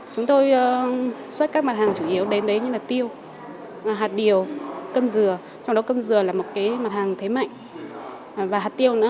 chúng tôi xuất các mặt hàng chủ yếu đến đấy như là tiêu hạt điều cơm dừa trong đó cơm dừa là một cái mặt hàng thế mạnh và hạt tiêu